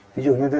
ví dụ như thầy